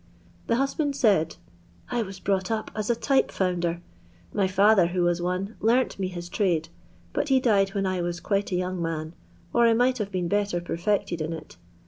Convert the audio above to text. The husband said :— "I was brought up as a type founder; my fether, who was one, learnt me his trade; but he died when I was quite a young man, or I might have been better perfected in it.